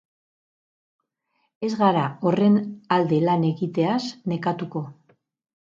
Ez gara horren alde lan egiteaz nekatuko.